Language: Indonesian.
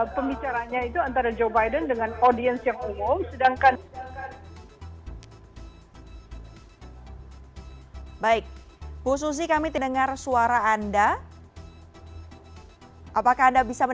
pembicaranya itu antara joe biden